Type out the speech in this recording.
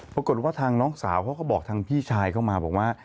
ปรากฏว่าทางน้องสาวเขาก็บอกทางพี่ชายเข้ามาบอกว่า